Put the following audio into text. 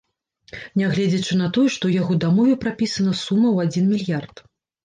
Нягледзячы на тое, што ў яго дамове прапісана сума ў адзін мільярд.